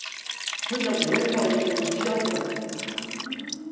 とにかくメンバー一同、一丸となって。